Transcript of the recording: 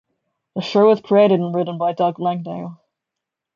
The show was created and written by Doug Langdale.